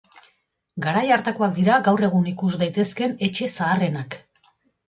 Garai hartakoak dira gaur egun ikus daitezkeen etxe zaharrenak.